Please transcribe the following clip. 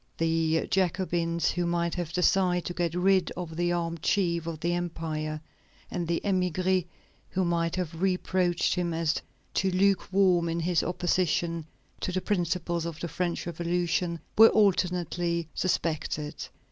The Jacobins, who might have desired to get rid of the armed chief of the empire, and the émigrés, who might have reproached him as too luke warm in his opposition to the principles of the French Revolution, were alternately suspected.